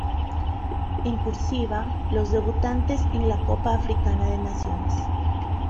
En "cursiva", los debutantes en la Copa Africana de Naciones.